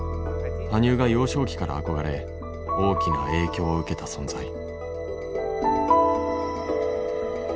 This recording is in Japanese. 羽生が幼少期から憧れ大きな影響を受けた存在。